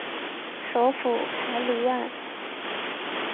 首府凯鲁万。